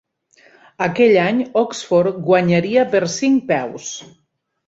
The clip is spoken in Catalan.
Aquell any, Oxford guanyaria per cinc peus.